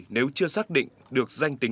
nếu chưa xác định được danh tính